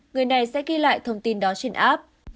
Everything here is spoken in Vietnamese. người này sẽ ghi lại thông tin đó trên app